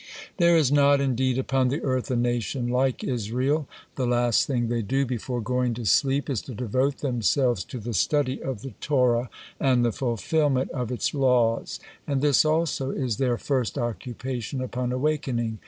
"There is not indeed upon the earth a nation like Israel. The last thing they do before going to sleep is to devote themselves to the study of the Torah and the fulfillment of its laws, and this also is their first occupation upon awakening.